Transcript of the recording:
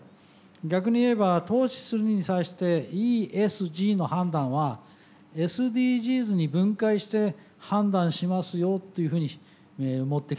逆に言えば投資するに際してＥＳＧの判断はＳＤＧｓに分解して判断しますよっていうふうに持ってきたわけです。